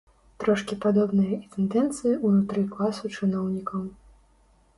Трошкі падобныя і тэндэнцыі ўнутры класу чыноўнікаў.